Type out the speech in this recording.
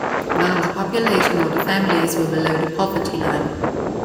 None of the population or the families were below the poverty line.